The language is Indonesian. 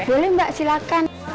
boleh mbak silakan